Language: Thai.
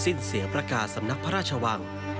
สิ้นเสียงประกาศสำนักพระราชวัง